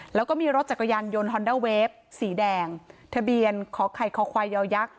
แล้วก็มีรถจักรยานยนต์ฮอนด้าเวฟสีแดงทะเบียนขอไข่คอควายยาวยักษ